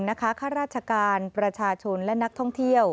ข้าราชการประชาชนและนักท่องเที่ยว